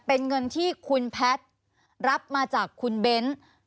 เป็นเงินที่คุณแพทย์รับมาจากคุณเบ้น